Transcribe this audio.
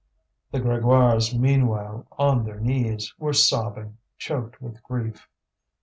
The Grégoires, meanwhile, on their knees, were sobbing, choked with grief.